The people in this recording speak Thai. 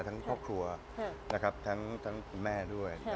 ทั้งพ่อครัวทั้งแม่ด้วย